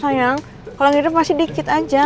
sayang orang hidang pasti dikit aja